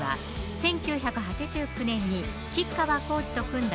１９８９年に吉川晃司と組んだ